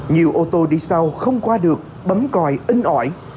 nhiều ô tô đi sau không qua được bấm còi in ỏi